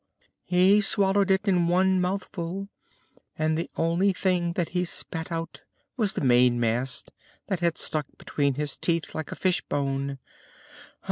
"He swallowed it in one mouthful, and the only thing that he spat out was the mainmast, that had stuck between his teeth like a fish bone.